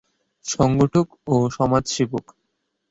সংগঠক ও সমাজসেবক।